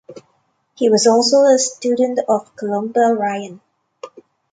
He was also a student of Columba Ryan.